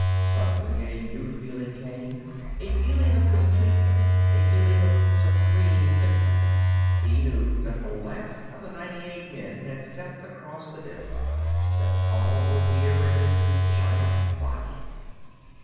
Suddenly a new feeling came, a feeling of completeness, a feeling of supreme fitness. He knew that the last of the ninety eight men had stepped across the disk, that all were here in this giant body.